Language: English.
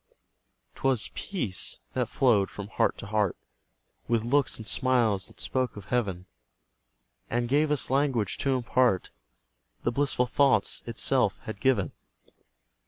'Twas PEACE that flowed from heart to heart, With looks and smiles that spoke of heaven, And gave us language to impart The blissful thoughts itself had given.